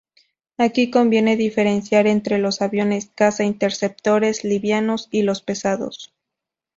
Aquí conviene diferenciar entre los aviones caza-interceptores "livianos" y los "pesados".